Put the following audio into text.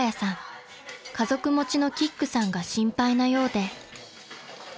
［家族持ちのキックさんが心配なようで］